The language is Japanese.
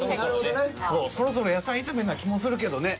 そろそろ野菜炒めな気もするけどね。